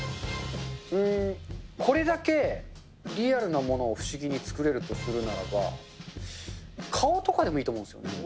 うーん、これだけリアルなものを不思議に作れるとするならば、顔とかでもいいと思うんですよね。